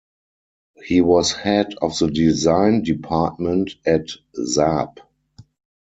He was head of the design department at Saab.